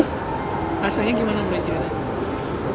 rasanya gimana mbak yusuf